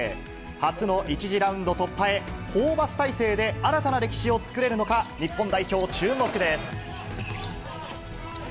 初の１次ラウンド突破へ、ホーバス体制で新たな歴史を作れるのか、日本代表注目です。